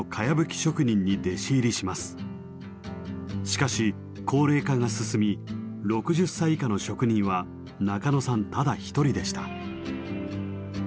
しかし高齢化が進み６０歳以下の職人は中野さんただ一人でした。